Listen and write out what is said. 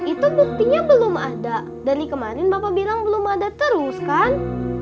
itu buktinya belum ada dari kemarin bapak bilang belum ada terus kan